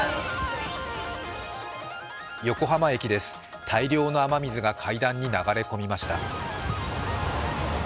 横浜駅です、大量の雨水が会談に流れ込みました。